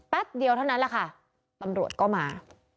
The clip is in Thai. เดียวเท่านั้นแหละค่ะตำรวจก็มา